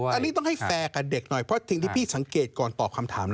อันนี้ต้องให้แฟร์กับเด็กหน่อยเพราะสิ่งที่พี่สังเกตก่อนตอบคำถามนะ